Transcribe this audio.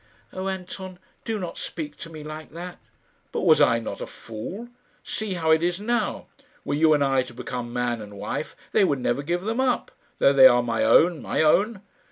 "Oh, Anton, do not speak to me like that." "But was I not a fool? See how it is now. Were you and I to become man and wife, they would never give them up, though they are my own my own.